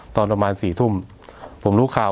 ตอนประมาณ๔ทุ่มผมรู้ข่าว